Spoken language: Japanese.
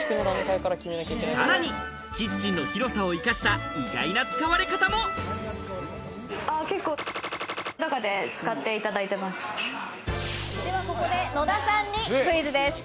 さらにキッチンの広さを生かした意外な使われ方もではここで野田さんにクイズです。